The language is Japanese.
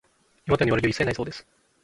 山ちゃんに悪気は一切ないようです